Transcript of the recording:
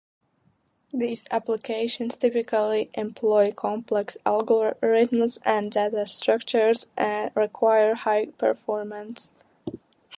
These applications typically employ complex algorithms and data structures and require high performance.